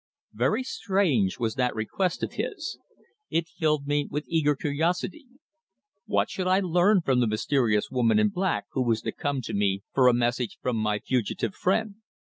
Very strange was that request of his. It filled me with eager curiosity. What should I learn from the mysterious woman in black who was to come to me for a message from my fugitive friend.